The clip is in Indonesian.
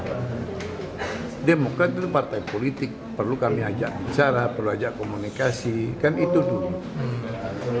karena demokrat itu partai politik perlu kami ajak bicara perlu ajak komunikasi kan itu dulu